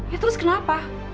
ya terus kenapa